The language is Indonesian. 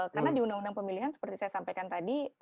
karena di undang undang pemilihan seperti saya sampaikan tadi